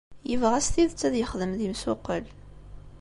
Yebɣa s tidet ad yexdem d imsuqqel.